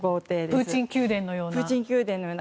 プーチン宮殿のような。